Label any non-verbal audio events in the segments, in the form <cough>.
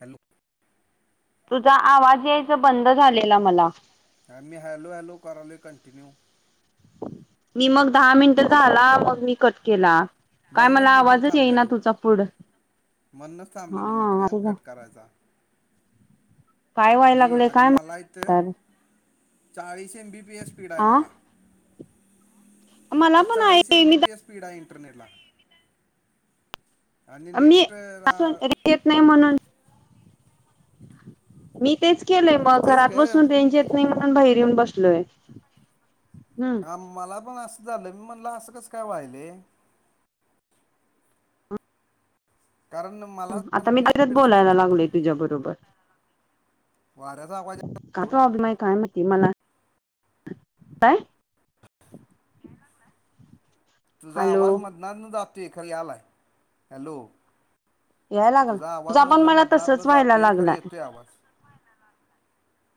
Hello. तुझा आवाज यायचा बंद झालेला मला आ मी हॅलो हॅलो करालोय कंटिन्यू मी मग दहा मिनट झाला मग मी कट केला काय म्हणूनच मला आवाजच येईना तुझ पुुड म्हणुनच थांबलेलो मी पण कट करायचा काय व्हाय मी लागलय अगं काय मला इथं चाळीस एमबीपीएस स्पीड आहे आ मला मला पण आहे मी नला <unintelligible> मी येत नाही म्हणून मी तेच केलंय मग तेच ग घरात बसून रेंज येत नाही म्हणून बाहेर येऊन बसलोय हम्म हा मला पण असं झालं मी म्हणला असं कस काय व्हायलय कारण मला कंटिन्यू स्पीड असते तु्झ्या बरोबर वाऱ्याचा आवाज काात अभि मा काय <unintelligible> हि मला काय तुझा हॅलो आवाज मदनात न जातोय खर यायलाय हॅलो याय लागला तुझा आवाज पण म्हणलं मला मदनात न तसच व्हायला जातोय खर लागलाय येतोय आवाज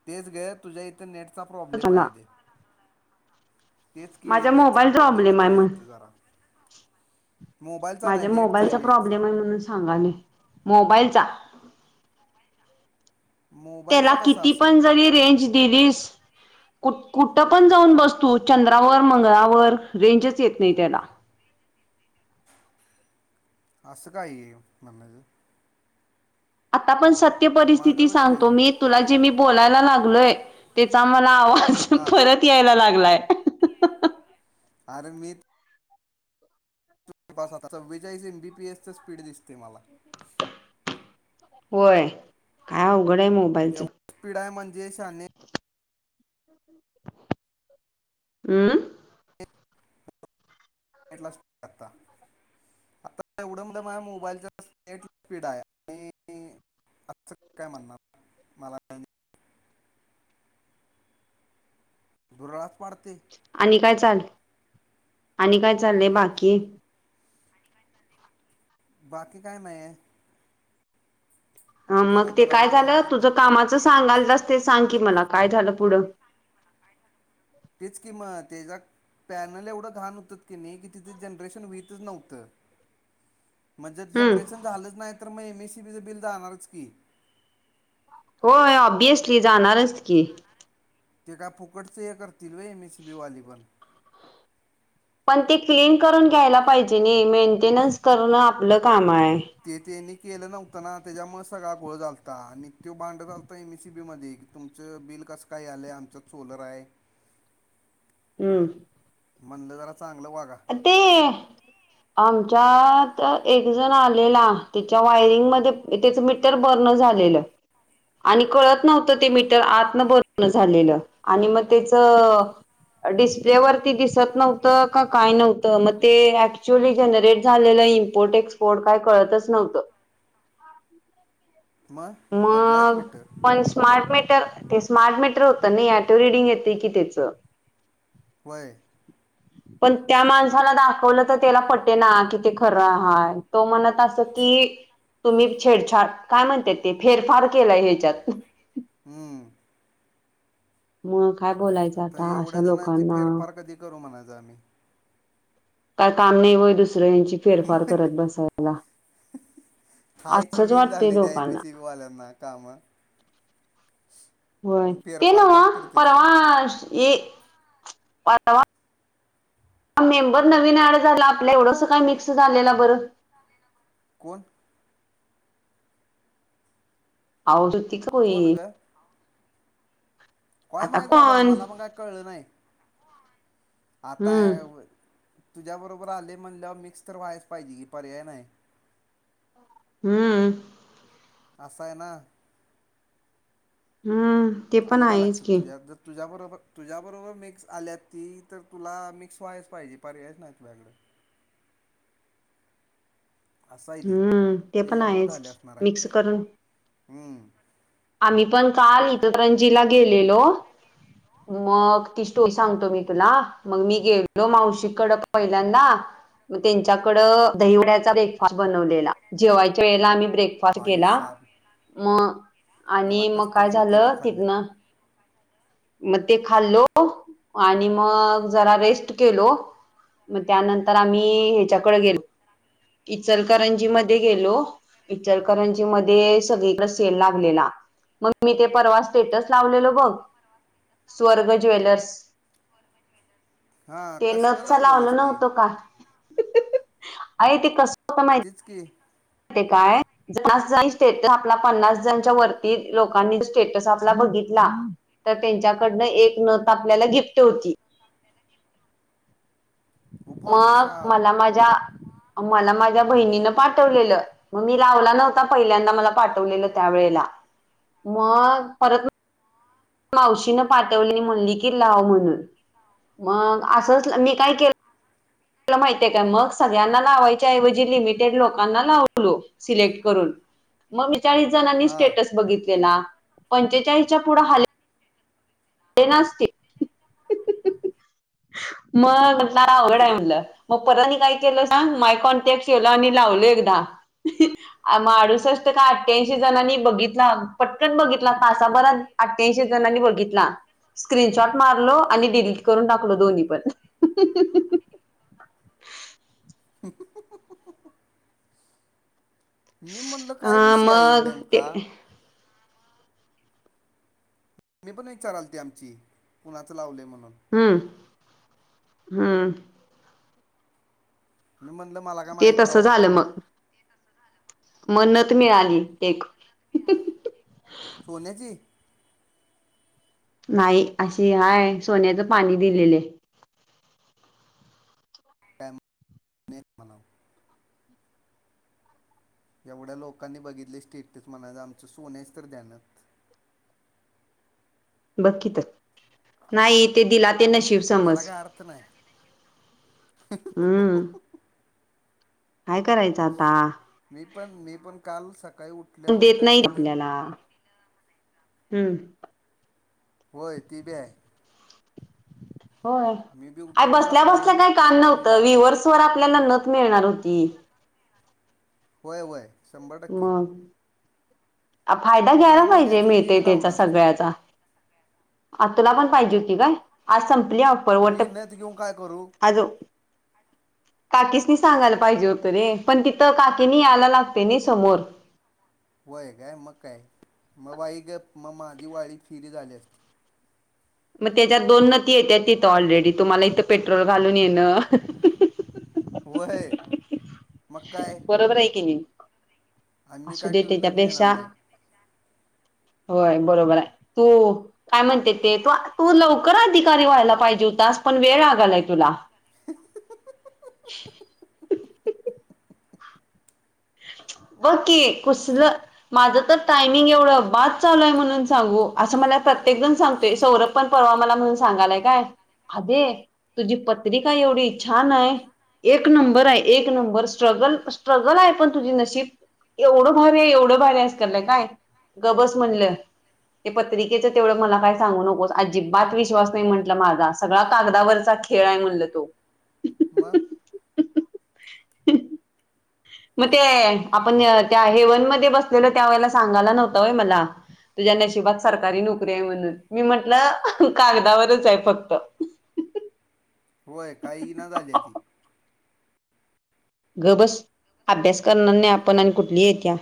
तेच ग तुझ्या इथं नेटचा प्रॉब्लेम आहे मला आधी तेच की माझ्या नेटचा मोबाईल प्रॉब्लेम आहे तुझ्या म्हण इथं जरा मोबाईलचा नाही माझ्या नेटचा आहे मोबाईलचा नेटचा प्रॉब्लेम आहे म्हणून सांगाले मोबाईलचा त्याला मोबाईलचा कसा किती असेल पण जरी रेंज दिलीस कु कुठं पण जाऊन बस तू चंद्रावर मंगळावर रेंजच येत नाही त्याला अस काय हे आता पण सत्य परिस्थिती माझं बघ की सांगतो मी तुला जे मी बोलायला लागलोय त्याचाला आवाज हां परत यायला लागलाय आर म <unintelligible> वेजईस एम बीपीएसच स्पीड दिसते मला होय काय अवघड आहे मोबाइईलच जेशने <unintelligible> हम्म टला लागता <unintelligible> आता एवढंम माझ्या मोबाईलचा नेट स्पीड आहे आणि अस काय म्हणणार मला दुरळस पाडते <unintelligible> चा आणि काय चाललंय बाकी बाकी काय नाही आहे. ह मग ते जरा काय झालं, म्हणणार तुझं कामाचं सांगालतास ते सांग. ते मला काय झालं पुढं? तेच किं मग तेजा पॅनेल एवढं घाण होतं की नाही, की तिथे जनरेशन व्हीतच नव्हतं. <inaudible> म्हणजे हम्म जनरेशन झालंच नाही, तर मग एम एसीबीचं बिल जाणारच की? होय, औँब्यियसली जाणारच की. ते का फुकटच हे करतील होय, एम एसी बी वालीपण. पण ते क्लीन करून घ्यायला पाहिजे नाही, मेंटेनन्स करणं आपलं काम आहे. ते तेनी केल नव्हत ना, त्याच्यामुळे सगळा घोळ झालता, आणि तो भांडत आलता एम एसी मध्ये तुमच बिल कस काय यालंय, आमच सोलर आहे? हम. म्हणलं जरा चांगलं वागा ते आमच्यात एक जण आलेला, त्याच्या वायरिंग मध्ये त्याच मीटर बर्न झालं झालेलं. आणि कळत नव्हतं ते, मीटर आत न बंद झालेलं आणि मग त्याच डिस्प्ले वरती दिसत नव्हतं का? काय नव्हतं, मग ते ऍक्च्युअली जनरेट झालेलं इम्पोर्ट एक्सपोर्ट काय कळतच नव्हतं. <unintelligible> मग बदलायचं मग मीटर पण स्मार्ट मिट ते स्मार्ट मीटर होत नाही, ऑटो रिडिंग येते की त्याच. होय. पण त्या माणसाला दाखवलं, तर त्याला पटेना किती खरं हाय. तो म्हणत असल की कि तुम्ही छेड-छाड काय म्हणता ते. फेरफार केलाय ह्याच्यात. हम्म मग. काय बोलायचं आता एवढ्या अशा जणांची लोकांना फेरफार कधी करू म्हणायच आम्ही. काय काम नाही होय दुसरं. फेरफार करत बसायला. काय ते असंच व्हिन वाटते झालय. त्या लोकांना येमिसेबी वाल्यांना काम. होय ते नाव तुम्ही परवा ये. पावा <unintelligible> ह मेंबर नवीन आड झाला, आपल्या एवढंस काय मिक्स झालेलं बरं. कोण. औ त का होई. कोण <unintelligible> ग काय माहीत बाबा मला पण काही कळलं नाही. आता. हम्म तुझ्या बरोबर आले म्हणल्यावर मिक्स तर व्हायच पाहिजे की. पर्याय नाही. हम्म. असाय ना. हम्म. ते पण अल काय आहेच लक्षात की तुझ्या. जर तुझ्याबरोबर. तुझ्या बरोबर मिक्स आल्यात ती. तर तुला मिक्स व्हायच पाहिजे, पर्यायच नाही तुझ्याकड. असं आहे ती हम्म ते पण त्याच्यामुळं आहेच मिक्स करून हमं. आम्ही पण काल इचलकरंजी ला गेलेलो. मग ती स्टोरी सांगतो मी तुला. मग मी गेलो मावशीकड पहिल्यांदा. मग त्यांच्याकड दहीवड्याचा ब्रेकफास्ट बनवलेला, जेवायच्या वेळेला आम्ही. ब्रेकफास्ट भाई केला साब म मला आणि मग काय कसतरच होते ती झालं खाल्ल्या तिथन. मग ते खाल्लो. आणि मग जरा रेस्ट केलो. मग त्यानंतर आम्ही ह्याच्याकडे गेलो, इचलकरंजी मध्ये गेलो. इचरकरंजी मध्ये सगळीकड सेल लागलेला. मग मी ते परवा स्टेटस लावलेलो बघ. स्वर्ग ज्वेलर्स. हां ते कसलं नथचा लावल लावलेलंस ती नव्हतं का. आहे ते कस. तिच काय. ते काय स आपला पन्नास जणांच्या वरती. लोकांनी स्टेटस आपला बघित ला तर त्यांच्याकडन एक नथ आपल्याला गिफ्ट होती. हो मग भाईसाब मला माझ्या मला माझ्या बहिणीनं पाठवलेलं. मग मी लावला नव्हता पहिल्यांदा मला पाठवलेला त्या वेळेला. मग परत मावशीनं पाठवली म्हणली की लाव म्हणून. मग आसंच मी काय केलं ल काय माहीती हाय का, मग सगळ्यांना लावायच्या ऐवजी लिमिटेड लोकांना लावलो सिलेक्ट करून. मग मी चाळीस जणांनी हा स्टेटस बघितलेला. पंचेचाळीसच्या पुढं हले नाच ते. मग म्हणताना म्हणलं अवघड हाय म्हणलं. मग परत आणि काय केलं सांग माय कॉन्टॅक् केलं आणि ला लावलो एकदा. म आडुसष्ट का अठ्ठ्यांशी जणांनी बघितला पटकन बघितला तासाभरात अठ्ठ्यांशी जणांनी बघितला. स्क्रीनशॉट मारलो, आणि डिलीट करून टाकलो दोन्ही पण. <unintelligible> <unintelligible> <unintelligible> मी म्हणलं काय हा विषय हाय यो मग ते नेमका? मम्मी पण विचारालती आमची कुणाचं लावलय म्हणून? हम हम. मी म्हणलं मला काय माहीत नाही बाबा. म नथ मिळाली एक <unintelligible> सोन्याची? नाही अशी हाय सोन्याचं पाणी दिलेली हाय. आणि एक म्हणावं. एवढ्या लोकांनी बघितलय स्टेटस म्हणायचं, आमचं सोन्याची तर द्या नथ. बघ की तर, नाही ते दिला ते नशीब याला समज. काय अर्थ नाही हम. मी पण मी पण काल सकाळी उठल्यावर काय केलं हम. होय, ती बी हाय. होय, आय उठलो बसल्या सकाळी बसल्या काय काम नव्हतं, मम्मीला विवर्स वर आपल्याला नथ मिळणार होती. होय, होय शंभर टक्के आ फायदा घ्यायला मला म्हणली पाहिजे, असती मी मिळतय बी तेचा लावलं असतं सगळ्याचा. आ तुला पण पाहिजे होती काय? आज संपली ऑफर वट मी नथ घेऊन काय करू आज काकीसनी सांगायला पाहिजे होतं रे. पण तिथं काकींनी याला लागतय नाही स्व समोर. होय काय मग काय. मग बाई गप्प म माझी वाळी फिरी झाली असती. मग तेच्यात दोन नथीं येत्यात तिथं. ऑलरेडी तुम्हाला इथं पेट्रोल घालून येणं. व्हय. बरोबर आहे की नी. आम्ही आसू काय दे टू व्हीलरने येणार तेच्यापेक्षा. नाही होय बरोबर हाय तू काय म्हणत्यात ते. तू. तू लवकर अधिकारी व्हायला पाहिजे हुतास. आस पण वेळ लागालय तुला. <unintelligible> बकी कसलं. माझं तर टायमिंग एवढं बाद चालू आहे म्हणून सांगू. आसं मला प्रत्येक जण सांगतोय सौरभ पण परवा मला म्हणून सांगालाय काय आदे तुझी पत्रिका एवढी छान हाय. एक नंबर हाय. एक नंबर स्ट्रगल-स्ट्रगल हाय पण तुझी नशीब एवढं भारी. आहे एवढं भारी. आसं कराल्या काय गबस म्हणलं. ते पत्रिकेच तेवढं मला काय सांगू नकोस, अजिबात विश्वास नाही म्हंटलं माझा सगळा कागदावरचा खेळ हाय म्हणल तो. मग. ह.... ह ह ह ह मग ते. आपण त्या एवन मध्ये बसलेलो त्या वेळेला सांगाला नव्हता व्हय मला. तुझ्या नशिबात सरकारी नोकरी आहे म्हणून. मी म्हंटलं अह.. कागदावरच आहे फक्त ह. ह. हं. होय, काय येना झालेयं. गप बस अभ्यास करणार नाही, आपण आणि कुठली येत्या?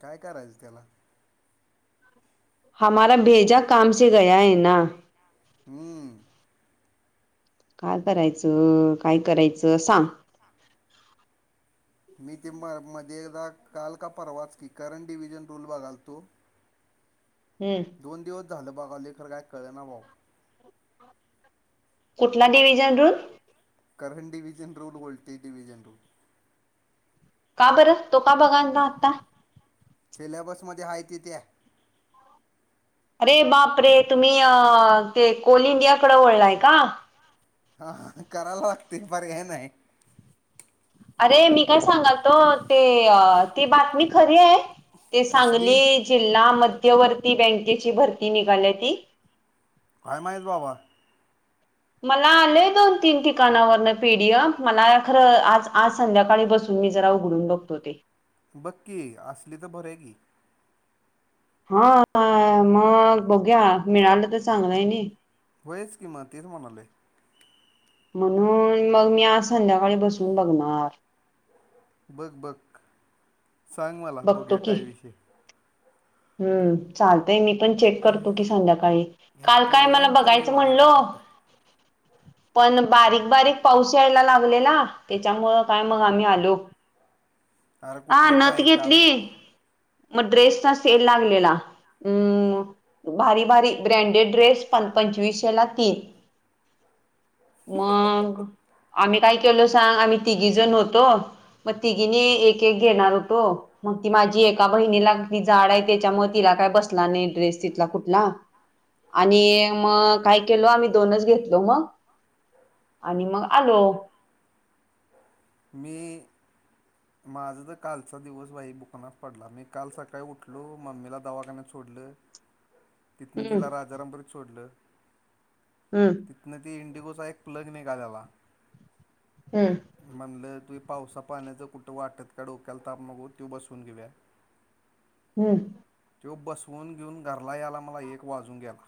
काय करायचं त्याला हमारा भेजा काम से गया है ना? हम. काय करायचं काय करायचं सांग? मी ते म- मध्ये मधी एकदा काल का परवाच की करंट डिव्हिजन रूल बघालतो. हम्म दोन दिवस झालं बाघालोय, खर काय कळना बाबा. कुठला division rule current division rule बोलतोय, डिव्हिजन रूल. का बरं! तो का बघालता आत्ता? सिलॅबस मध्ये आहे ति त्या. अरे! बाप रे तुम्ही अ ते कोल इंडियाकड वळलाय का? हा कराय लागतय, पर्याय नाही. अरे! मी काय सांगलतो अ ते ती बातमी खरी आहे? ते कसली सांगली जिल्हा मध्यवर्ती बँकेची भरती निघाल्या ती. काय माहीत बाबा. मला आलय दोन तीन ठिकाणावरन पीडीएफ मला खरं आज आज संध्याकाळी बसून मी जरा उघडून बघतो ते. बघ की असली, तर भरूया की. हा, मग बघूया मिळालं तर चांगलं हाय नाय. होयच कि, मग तेच म्हणालोय. म्हणून, मग मी आज संध्याकाळी बसून बघणार. बघ-बघ सांग मला बघतो बघूया की. काय विषय. हम्म चालतंय मी पण चेक करतो की संध्याकाळी. ह्या काल काय मला पोळ्यांचा लय बघायचं वाईट म्हणलो. इफेक्ट आहे पण बारीक-बारीक पाऊस यायला लागलेला. त्याच्यामुळं काय मग आम्ही आलो. अरे हा कुठलं नथ काय काल घेतली. मग ड्रेसचा सेल लागलेला. अम् भारी-भारी ब्रँडेड ड्रेस पन. पंचवीसशेला तीन. मग. आम्ही काय केल सांग. आम्ही तिघी जण होतो. मग तिघीने एक-एक घेणार होतो. ती माझी एका बहिणीला ती जाड आहे. त्याच्यामुळे तिला काय बसला नाही ड्रेस तिथला कुठला. आणि मग काय केलो आम्ही दोनच घेतलो मग आणि मग आलो. मी माझा तर कालचा दिवस बाई म्हटलं तिथन हम्म तिला राजाराम पुरीत सोडलं हम्म तिथन ती ईकोचा एक प्लग निघालेला हम्म म्हणल त्यो पावसा पाण्याचं कुठं वाटत का डोक्याला ताप नको त्यो बसवून घेऊया हम्म त्यो बसवून घेऊन घरला याला मला एक वाजून गेला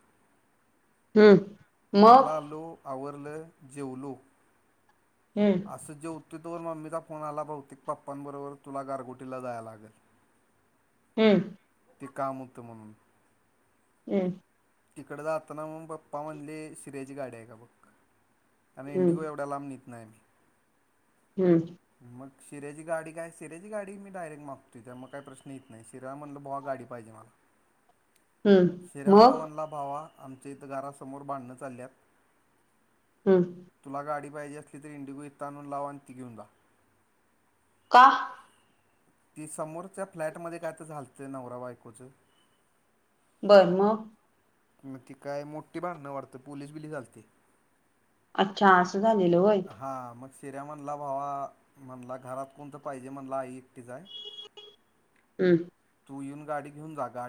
हम्म मग घरला आलो आवरलं जेवलो हम्म असं जेव तो तोवर मम्मीचा फोन आला बहूतेक पप्पां बरोबर तुला गारगोटीला जाया लागल हम्म. ते काम व्हतं म्हणून. हम्म तिकड जाताना मग पप्पा म्हणले, शिर्याची गाडी आहे का बघ. आणि हम्म इंडिगो एवढ्या लांब नित नाही मी. हम्म मग शिर्याची गाडी काय शिर्याची गाडी मी डायरेक्ट मागतोय. त्या मग काय प्रश्न येत नाही. शिराला म्हणलं भावा गाडी गाडी पाहिजे मला. <inaudible> हम्म शीऱ्या माला मग म्हणला, भावा आमच्या इथं घरासमोर भांडणं चालल्यात. हम्म तुला गाडी पाहिजे असली तरी इंडिगो इथं आणून लाव, आणि ती घेऊन जा. का ती समोरच्या फ्लॅट मध्ये काय तर झालतं नवरा बायकोचं. बरं मग मग ती काय मोठी भांडणं वाटतं पोलीस बिलीस आलते. अच्छा असं झालेलं होय. मग शिऱ्या म्हणला भावा म्हणला घरात कोणतं पाहिजे म्हणला आई एकटीच आहे. हम तू येऊन गाडी घेऊन जा. गाडी